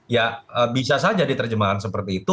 ya bisa saja di terjemahan seperti itu